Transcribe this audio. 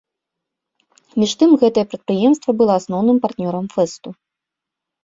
Між тым гэтае прадпрыемства было асноўным партнёрам фэсту.